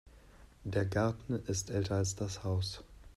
Der Garten ist älter als das Haus.